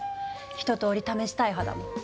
一とおり試したい派だもん。